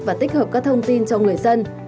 để tích hợp các thông tin cho người dân